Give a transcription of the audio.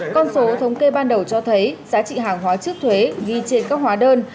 con số thống kê ban đầu cho thấy giá trị hàng hóa trước thuế ghi trên các hóa đơn